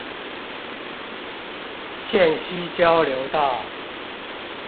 線西交流道